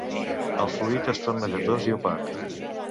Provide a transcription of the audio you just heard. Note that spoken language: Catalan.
El fluid es torna lletós i opac.